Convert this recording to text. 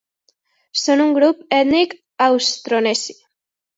Són un grup ètnic austronesi.